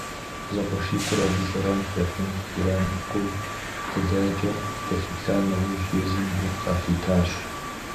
Зэкъуэшитӏыр абы зэран хуэхъун ирамыкуу тэлайкӏэ кӏэлъыплъа нэужь, езым гу къалъитащ.